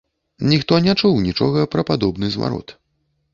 Ніхто не чуў нічога пра падобны зварот.